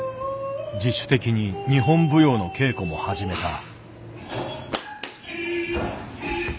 自主的に日本舞踊の稽古も始めた。